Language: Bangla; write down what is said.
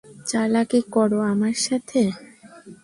চালাকি করো আমার সাথে?